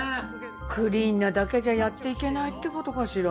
クリーンなだけじゃやっていけないって事かしら？